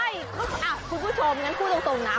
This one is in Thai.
ใช่คุณผู้ชมงั้นพูดตรงนะ